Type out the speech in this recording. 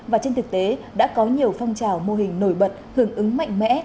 và trên thực tế đã có nhiều phong trào mô hình nổi bật hưởng ứng mạnh mẽ